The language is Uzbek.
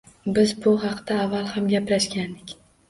Biz bu haqda avval ham gaplashgandik.